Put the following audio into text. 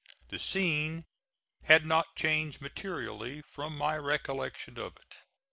The scene had not changed materially from my recollection of it.